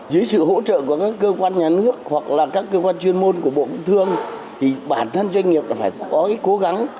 với sự hỗ trợ của các cơ quan nhà nước hoặc là các cơ quan chuyên môn của bộ công thương thì bản thân doanh nghiệp phải có cái cố gắng